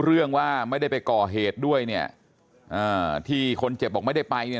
เรื่องว่าไม่ได้ไปก่อเหตุด้วยเนี่ยอ่าที่คนเจ็บบอกไม่ได้ไปเนี่ย